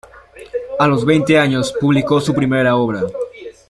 A los veinte años publicó su primera obra.